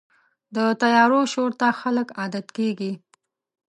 د طیارو شور ته خلک عادت کېږي.